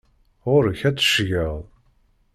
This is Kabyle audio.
Ɣur-k ad teccgeḍ.